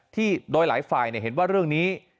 โดยหลายฝ่ายเห็นว่าเรื่องนี้